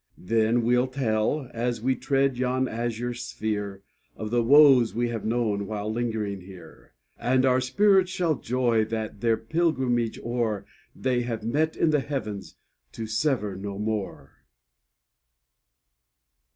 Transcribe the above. Then we'll tell, as we tread yon azure sphere, Of the woes we have known while lingering here; And our spirits shall joy that, their pilgrimage o'er, They have met in the heavens to sever no more.